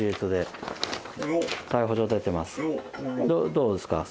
どうですか？